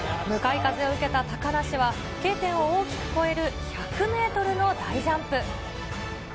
向かい風を受けた高梨は、Ｋ点を大きく越える１００メートルの大ジャンプ。